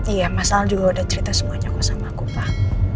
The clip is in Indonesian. iya mas al juga udah cerita semuanya kok sama aku pak